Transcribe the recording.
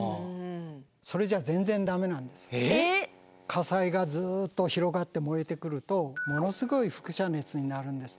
火災がずっと広がって燃えてくるとものすごい輻射熱になるんですね。